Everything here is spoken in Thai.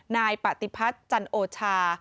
นายปฏิพัฒน์จันโอชา